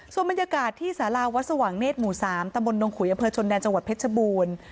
ส่วนบรรยากาศที่สาราวัดสว่างเนธหมู่๓ตำบลนงขุยอำเภอชนแดนจังหวัดเพชรบูรณ์